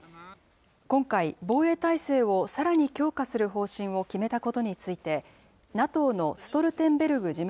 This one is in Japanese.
今回、防衛態勢をさらに強化する方針を決めたことについて、ＮＡＴＯのストルテンベルグ